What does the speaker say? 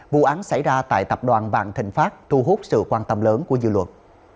vụ án xảy ra tại tập đoàn vạn thịnh pháp thu hút sự quan tâm lớn của dư luận